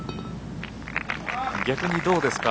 逆にどうですか